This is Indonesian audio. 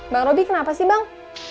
bang roby kenapa sih bang